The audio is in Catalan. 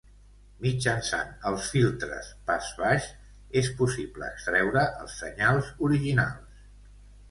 Mitjançant els filtres pas baix és possible extreure els senyals originals.